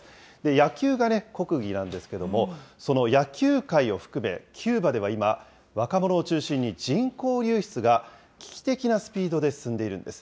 野球が国技なんですけれども、その野球界を含め、キューバでは今、若者を中心に人口流出が危機的なスピードで進んでいるんです。